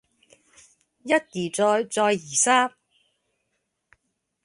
一而再再而三